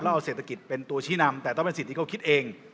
แล้วเอาเศรษฐกิจเป็นตัวชี้นำแต่ต้องเป็นสิทธิ์เขาคิดเอง